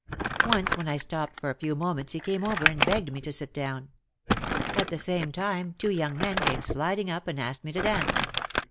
Once when I stopped for a few moments he came over and begged me to sit down. At the same time two young men came sliding up and asked me to dance.